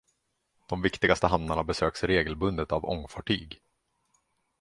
De viktigaste hamnarna besöks regelbundet av ångfartyg.